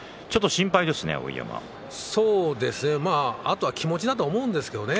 そうですね、あとは気持ちだと思うんですけどね